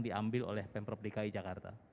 diambil oleh pemprov dki jakarta